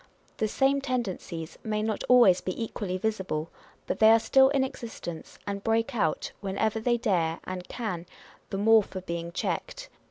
The same tendencies may not always be equally visible, but they are still in existence, and break out, whenever they dare and can, the more for being checked.